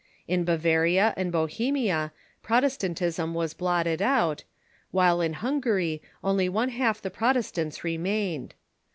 In Bavaria and Bohemia Protestantism was blotted out, wliile in Hungary only one half the Protestants remained.